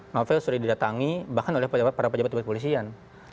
novel sudah didatangi bahkan oleh para pejabat kepolisian